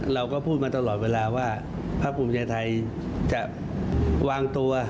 เราก็พูดมาตลอดเวลาว่าภาคภูมิใจไทยจะวางตัว